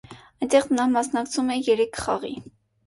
Այնտեղ նա մասնակցում է երեք խաղի։